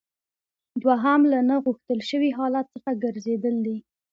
دوهم له نه غوښتل شوي حالت څخه ګرځیدل دي.